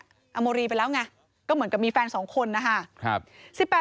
โมรีไปแล้วไงก็เหมือนกับมีแฟน๒คนนะคะ